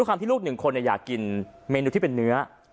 ความที่ลูกหนึ่งคนอยากกินเมนูที่เป็นเนื้อ